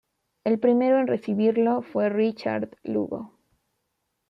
El primero en recibirlo fue Richard Lugo.